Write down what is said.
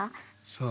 そう。